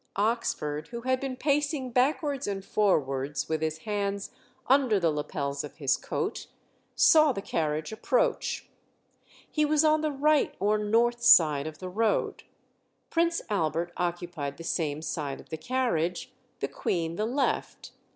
Oxford, who had been pacing backwards and forwards with his hands under the lapels of his coat, saw the carriage approach. He was on the right or north side of the road. Prince Albert occupied the same side of the carriage, the Queen the left.